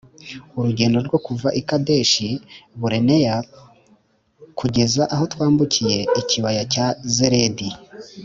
Urugendo rwo kuva i Kadeshi Baruneya kugeza aho twambukiye ikibaya cya Zeredi